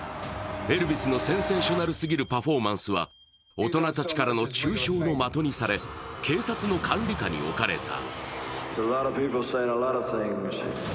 エルヴィスのセンセーショナルすぎるパフォーマンスは大人たちからの中傷の的にされ警察の管理下に置かれた。